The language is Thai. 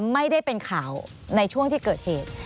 ไม่ได้เป็นข่าวในช่วงที่เกิดเหตุ